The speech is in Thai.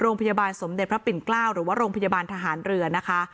โรงพยาบาลสมเด็จพระปิ่นเกล้าหรือว่าโรงพยาบาลทหารเรือนะคะ